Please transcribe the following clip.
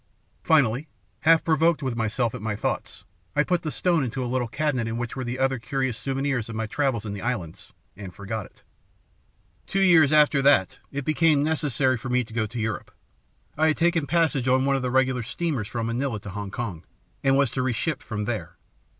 "Finally, half provoked with myself at my thoughts, I put the stone into a little cabinet in which were other curious souvenirs of my travels in the islands, and forgot it. "Two years after that it became necessary for me to go to Europe. I had taken passage on one of the regular steamers from Manila to Hong Kong, and was to reship from there.